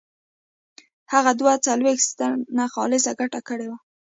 هغه دوه څلوېښت سنټه خالصه ګټه کړې وه